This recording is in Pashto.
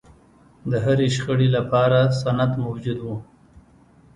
د هرې شخړې لپاره سند موجود و.